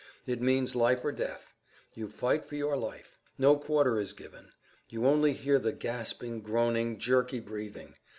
It means life or death. You fight for your life. No quarter is given. You only hear the gasping, groaning, jerky breathing.